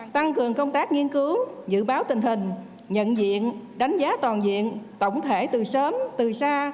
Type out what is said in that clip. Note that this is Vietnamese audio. tăng cường công tác nghiên cứu dự báo tình hình nhận diện đánh giá toàn diện tổng thể từ sớm từ xa